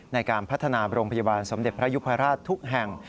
ในการพัฒนาโรงพยาบาลสมเด็จพระยุพราชทุกแห่ง